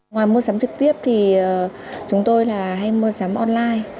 ngoài mua sắm trực tiếp thì chúng tôi là hay mua sắm online